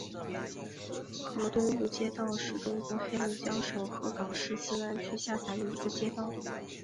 河东路街道是中国黑龙江省鹤岗市兴安区下辖的一个街道。